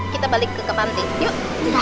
kita balik ke kepanti yuk